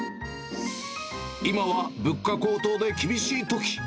今は物価高騰で厳しいとき。